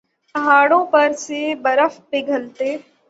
پہاڑوں پر سے برف پگھلتے